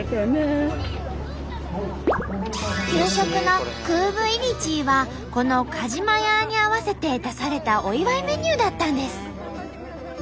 給食のクーブイリチーはこのカジマヤーに合わせて出されたお祝いメニューだったんです。